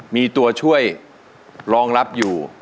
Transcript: มีตัวช่วยรองรับอยู่